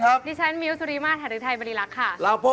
นั่นมันรถอะไรดูไม่เหมือนรถบรรทุก